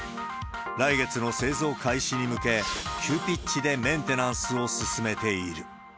来月の製造開始に向け、急ピッチでメンテナンスを進めている。